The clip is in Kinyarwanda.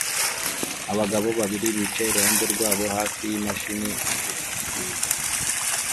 Abagabo babiri bicaye iruhande rwabo hafi yimashini icuruza